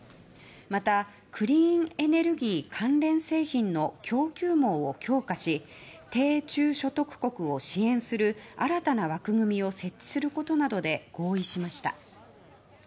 またクリーンエネルギー関連製品の供給網を強化し低・中所得国を支援する新たな枠組みを設置することなどで合意しました。